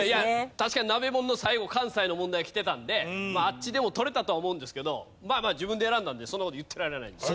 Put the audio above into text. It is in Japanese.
確かに鍋ものの最後関西の問題きてたのでまああっちでも取れたとは思うんですけどまあまあ自分で選んだのでそんな事言ってられないんでね。